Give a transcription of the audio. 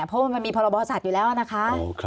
เพราะว่ามันมีพรบสัตว์อยู่แล้วนะคะ